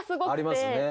ありますね。